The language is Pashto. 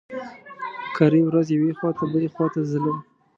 کرۍ ورځ يوې خوا ته بلې خوا ته ځلم.